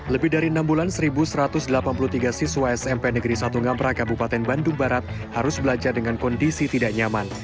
lebih dari enam bulan seribu satu ratus delapan puluh tiga siswa smp negeri satu ngamra kabupaten bandung barat harus belajar dengan kondisi tidak nyaman